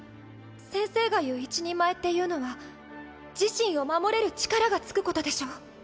先生が言う一人前っていうのは自身を守れる力が付くことでしょう？